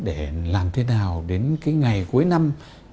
để làm thế nào đến ngày cuối năm